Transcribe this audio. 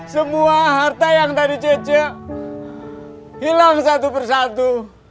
semua harta yang tadi cece hilang satu persatu